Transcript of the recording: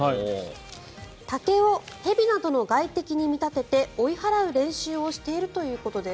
竹を蛇などの外敵に見立てて追い払う練習をしているということです。